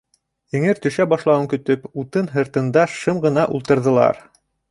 Эңер төшә башлауын көтөп, утын һыртында шым ғына ултырҙылар.